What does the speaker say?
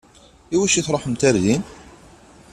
I wacu i tṛuḥemt ɣer din?